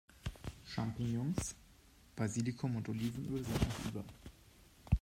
Champignons, Basilikum und Olivenöl sind noch über.